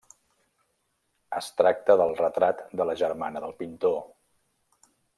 Es tracta del retrat de la germana del pintor.